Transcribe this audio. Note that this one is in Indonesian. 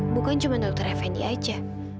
bukan cuma dokter fnd aja